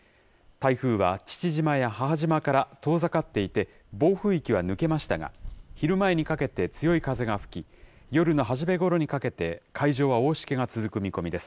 台風は父島や母島から遠ざかっていて、暴風域は抜けましたが、昼前にかけて強い風が吹き、夜の初めごろにかけて、海上は大しけが続く見込みです。